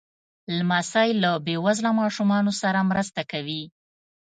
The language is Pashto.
لمسی له بې وزله ماشومانو سره مرسته کوي.